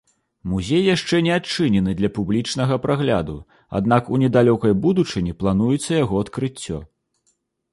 Музей яшчэ не адчынены для публічнага прагляду, аднак у недалёкай будучыні плануецца яго адкрыццё.